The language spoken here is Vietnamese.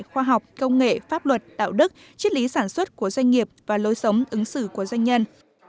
khoa học công nghệ pháp luật đạo đức chiết lý sản xuất của doanh nghiệp và lối sống ứng xử của doanh nhân